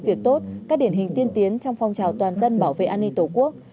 việc tốt các điển hình tiên tiến trong phong trào toàn dân bảo vệ an ninh tổ quốc